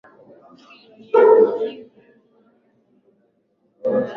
Bunduki iliwaua wahalifu kadhaa